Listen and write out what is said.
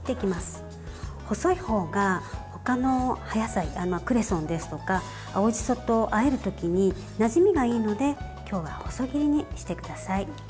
細い方が、他の葉野菜クレソンですとか青じそとあえる時になじみがいいので今日は細切りにしてください。